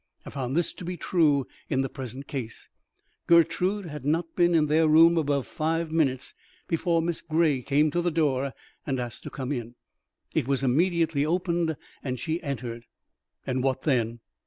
I found this to be true in the present case. Gertrude had not been in their room above five minutes before Miss Gray came to the door and asked to come in. It was immediately opened, and she entered." "And what then?"